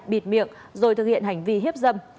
bịt miệng rồi thực hiện hành vi hiếp dâm